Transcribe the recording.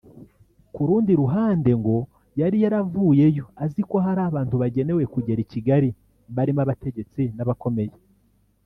Ku rundi ruhande ngo yari yaravuyeyo azi ko hari abantu bagenewe kugera i Kigali barimo abategetsi n’abakomeye